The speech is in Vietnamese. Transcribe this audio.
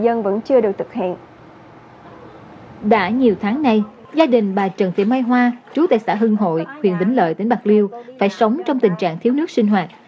đã nhiều tháng nay gia đình bà trần thị mai hoa trú tại xã hưng hội huyện vĩnh lợi tỉnh bạc liêu phải sống trong tình trạng thiếu nước sinh hoạt